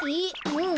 うん。